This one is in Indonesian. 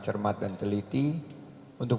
cermat dan teliti untuk